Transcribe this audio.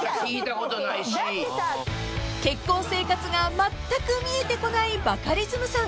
［結婚生活がまったく見えてこないバカリズムさん］